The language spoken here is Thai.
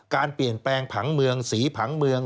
การเปลี่ยนแปลงผังเมืองสีผังเมือง